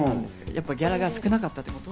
やっぱりギャラが少なかったってこと？